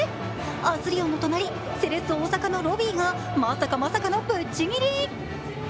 アスリオンの隣、セレッソ大阪のロビーがまさかまさかのぶっちぎり。